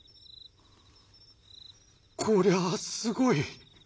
「こりゃあすごい。